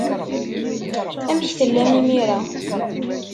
Amek tellam imir-a?